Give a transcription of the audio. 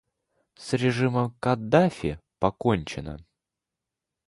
С режимом Каддафи покончено.